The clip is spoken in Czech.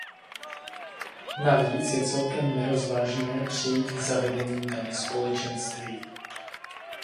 Navíc je celkem nerozvážné přejít k zavedení daně Společenství.